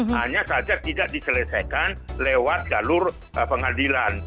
hanya saja tidak diselesaikan lewat jalur pengadilan